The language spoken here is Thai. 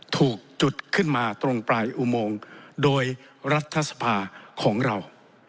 ถูกจุดขึ้นมาตรงปลายอุโมงโดยรัฐสภาของเรา